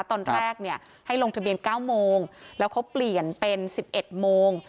ตอนแรกเนี่ยให้ลงทะเบียน๙โมงแล้วเขาเปลี่ยนเป็น๑๑โมง